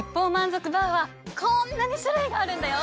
こんなに種類があるんだよ！